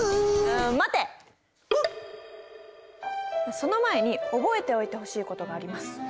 その前に覚えておいてほしいことがあります。